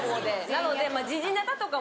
なので。